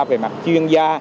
về mặt chuyên gia